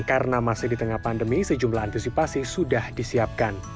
karena masih di tengah pandemi sejumlah antisipasi sudah disiapkan